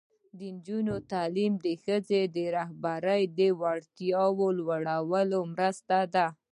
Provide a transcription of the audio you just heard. د نجونو تعلیم د ښځو رهبري وړتیا لوړولو مرسته ده.